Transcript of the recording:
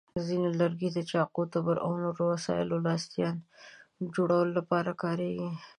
ځینې لرګي د چاقو، تبر، او نورو وسایلو لاستیان جوړولو لپاره کارېږي.